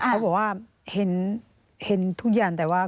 เขาบอกว่าเห็นทุกอย่างแต่ว่า